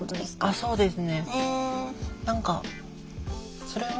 そうですね。